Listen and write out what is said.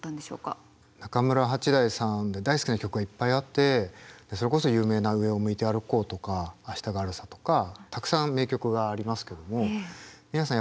中村八大さんで大好きな曲がいっぱいあってそれこそ有名な「上を向いて歩こう」とか「明日があるさ」とかたくさん名曲がありますけども皆さん